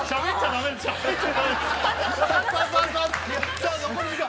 さあ残り時間。